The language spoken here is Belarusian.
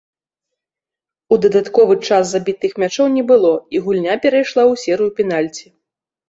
У дадатковы час забітых мячоў не было і гульня перайшла ў серыю пенальці.